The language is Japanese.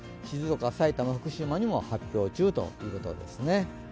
静岡、埼玉、福島にも発表中ということですね。